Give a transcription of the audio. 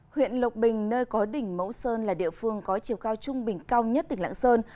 huyện lộc bình nơi có đỉnh mẫu sơn là địa phương có chiều cao trung bình cao nhất tỉnh lãng sơn